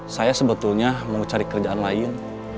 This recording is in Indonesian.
saya sebetulnya mau cari kerjaan lain